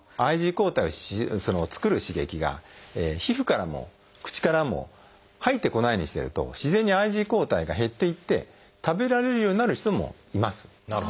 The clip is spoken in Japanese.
ＩｇＥ抗体を作る刺激が皮膚からも口からも入ってこないようにしてると自然にＩｇＥ抗体が減っていって食べられるようになる人もいます。